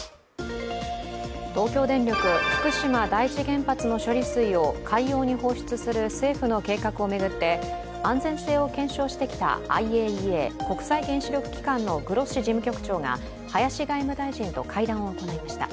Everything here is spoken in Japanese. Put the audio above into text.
東京電力福島第一原発の処理水を海洋に放出する政府の計画を巡って安全性を検証してきたＩＡＥＡ＝国際原子力機関のグロッシ事務局長が林外務大臣と会談を行いました。